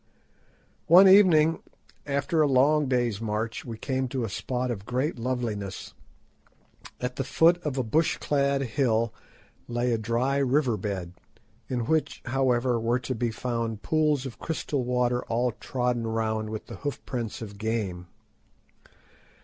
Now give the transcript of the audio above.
One evening, after a long day's march, we came to a spot of great loveliness. At the foot of a bush clad hill lay a dry river bed, in which, however, were to be found pools of crystal water all trodden round with the hoof prints of game.